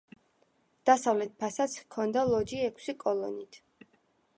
დასავლეთ ფასადს ჰქონდა ლოჯი ექვსი კოლონით.